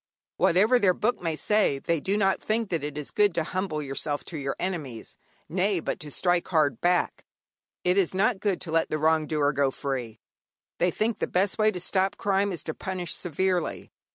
Whatever their Book may say, they do not think that it is good to humble yourself to your enemies nay, but to strike hard back. It is not good to let the wrong doer go free. They think the best way to stop crime is to punish severely.